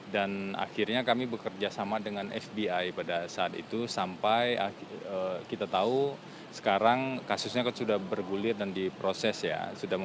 dan akhirnya kami bekerjasama dengan fbi pada saat itu sampai kita tahu sekarang kasusnya sudah bergulir dan diproses ya